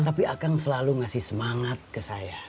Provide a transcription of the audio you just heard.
tapi akan selalu ngasih semangat ke saya